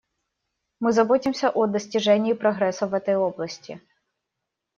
Мы заботимся о достижении прогресса в этой области.